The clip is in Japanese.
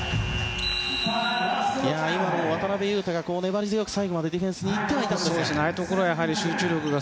今の、渡邊雄太が粘り強く最後までディフェンスにいってはいたんですが。